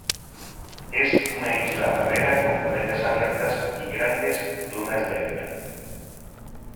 Es una isla barrera con playas abiertas y grandes dunas de arena.